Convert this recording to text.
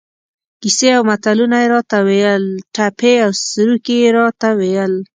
کیسې او متلونه یې را ته ویل، ټپې او سروکي یې را ته ویل.